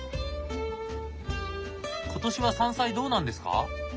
今年は山菜どうなんですか？